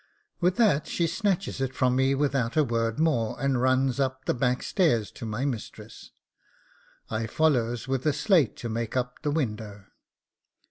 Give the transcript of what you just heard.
With that she snatches it from me without a word more, and runs up the back stairs to my mistress; I follows with a slate to make up the window.